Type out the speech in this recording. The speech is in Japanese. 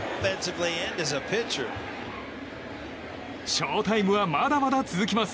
翔タイムはまだまだ続きます。